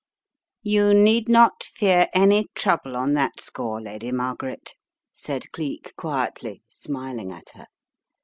"You need not fear any trouble on that score, Lady Margaret," said Cleek, quietly, smiling at her.